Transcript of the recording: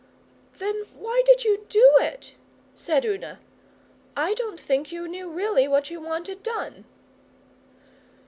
'Then why did you do it?' said Una. 'I don't think you knew really what you wanted done.